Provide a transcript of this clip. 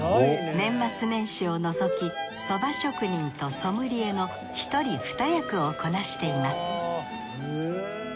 年末年始を除き蕎麦職人とソムリエの一人二役をこなしています